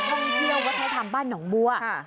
บรรยาวัฒนธรรมบ้านหนองบัว